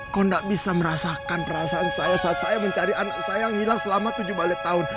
kau tidak bisa merasakan perasaan saya saat saya mencari anak saya yang hilang selama tujuh belas tahun